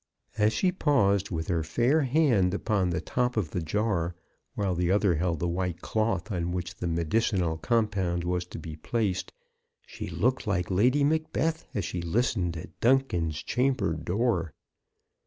As she paused with her fair hand upon the top of the jar, while the other held the white cloth on which the medicinal compound was to be placed, she looked like Lady Macbeth as she listened at Duncan's chamber door.